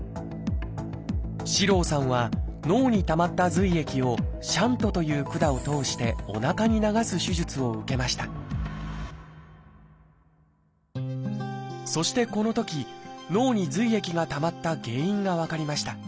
四郎さんは脳にたまった髄液を「シャント」という管を通しておなかに流す手術を受けましたそしてこのとき脳に髄液がたまった原因が分かりました。